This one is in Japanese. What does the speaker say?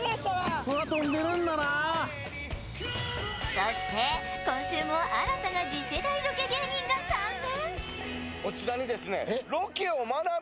そして今週も新たな次世代ロケ芸人が参戦。